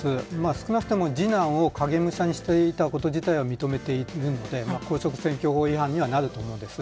少なくとも、次男を影武者にしていたこと自体は認めているので公職選挙法違反にはなると思うんです。